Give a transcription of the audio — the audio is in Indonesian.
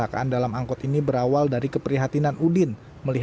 agak heran sih aku juga baru pertama kali